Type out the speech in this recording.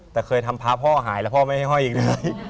แต่เคยทำพระพ่อหายแล้วพ่อไม่ให้ห้อยอย่างนี้